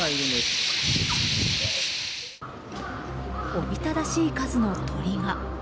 おびただしい数の鳥が。